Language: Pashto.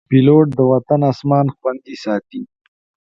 پیلوټ د وطن اسمان خوندي ساتي.